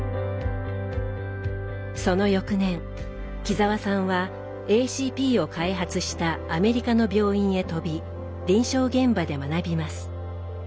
その翌年木澤さんはＡＣＰを開発したアメリカの病院へ飛び臨床現場で学びます。